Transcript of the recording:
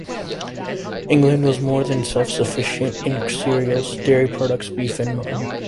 England was more than self-sufficient in cereals, dairy products, beef and mutton.